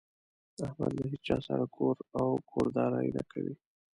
احمد له هيچا سره کور او کورداري نه کوي.